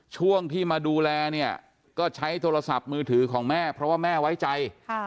ช่วงที่มาดูแลเนี่ยก็ใช้โทรศัพท์มือถือของแม่เพราะว่าแม่ไว้ใจ